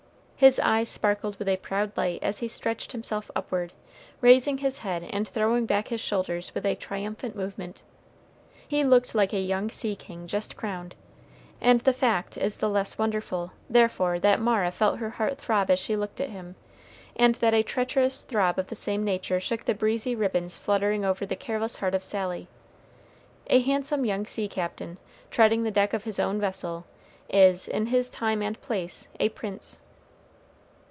His eyes sparkled with a proud light as he stretched himself upward, raising his head and throwing back his shoulders with a triumphant movement. He looked like a young sea king just crowned; and the fact is the less wonderful, therefore, that Mara felt her heart throb as she looked at him, and that a treacherous throb of the same nature shook the breezy ribbons fluttering over the careless heart of Sally. A handsome young sea captain, treading the deck of his own vessel, is, in his time and place, a prince.